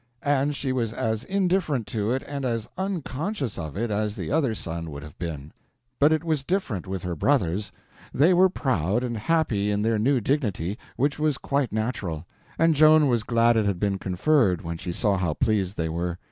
And she was as indifferent to it and as unconscious of it as the other sun would have been. But it was different with her brothers. They were proud and happy in their new dignity, which was quite natural. And Joan was glad it had been conferred, when she saw how pleased they were.